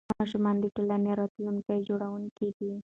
ماشومان د ټولنې راتلونکي جوړونکي دي.